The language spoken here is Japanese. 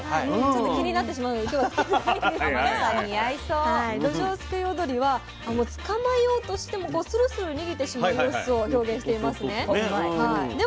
ちょっと気になってしまうので今日はつけてないんですがどじょうすくい踊りはつかまえようとしてもスルスル逃げてしまう様子を表現していますね。